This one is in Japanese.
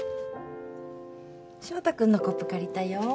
翔太君のコップ借りたよ。